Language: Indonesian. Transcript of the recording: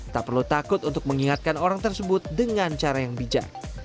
tak perlu takut untuk mengingatkan orang tersebut dengan cara yang bijak